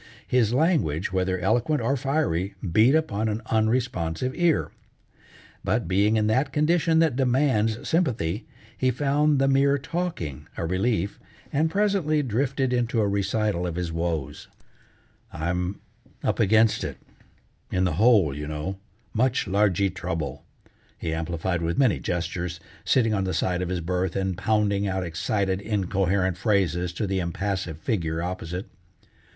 His language, whether eloquent or fiery, beat upon an unresponsive ear. But being in that condition that demands sympathy, he found the mere talking a relief, and presently drifted into a recital of his woes. "I'm up against it, in the hole, you know, much largee trouble," he amplified with many gestures, sitting on the side of his berth, and pounding out excited, incoherent phrases to the impassive figure opposite.